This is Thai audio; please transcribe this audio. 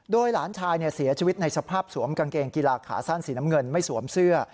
โดยหลานชายเสียชีวิตในสภาพสวมกางเกงกีฬาขาสั้นสีน้ำเงินไม่สวมเสื้อ